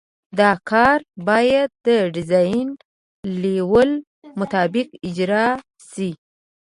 دا کار باید د ډیزاین لیول مطابق اجرا شي